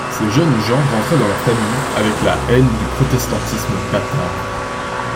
Ces jeunes gens rentraient dans leurs familles avec la haine du protestantisme batave.